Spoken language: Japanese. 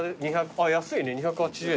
あっ安いね２８０円。